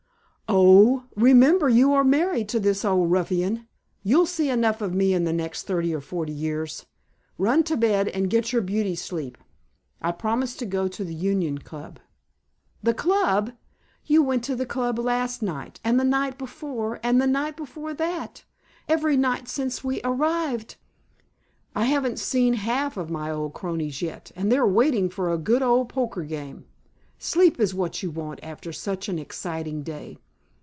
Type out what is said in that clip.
"Oh! Remember you are married to this old ruffian. You'll see enough of me in the next thirty or forty years. Run to bed and get your beauty sleep. I promised to go to the Union Club." "The Club? You went to the Club last night and the night before and the night before that. Every night since we arrived " "I haven't seen half my old cronies yet and they are waiting for a good old poker game. Sleep is what you want after such an exciting day.